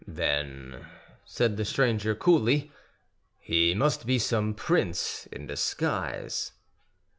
"Then," said the stranger coolly, "he must be some prince in disguise."